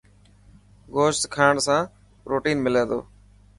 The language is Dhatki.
گوشت کاڻ سان پروٽين ملي ٿو.